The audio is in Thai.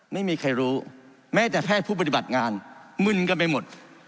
ไม่มีใครรู้แม้แต่แพทย์ผู้ปฏิบัติงานมึนกันไปหมด